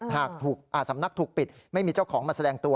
หากถูกสำนักถูกปิดไม่มีเจ้าของมาแสดงตัว